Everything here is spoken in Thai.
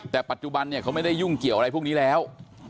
แต่ปัจจุบันเนี่ยเขาไม่ได้ยุ่งเกี่ยวอะไรพวกนี้แล้ว